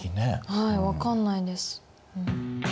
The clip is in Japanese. はい分かんないです。